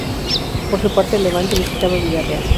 Por su parte el Levante visitaba Villarreal.